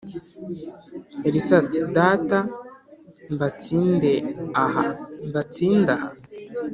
Elisa ati Data mbatsinde aha Mbatsinde aha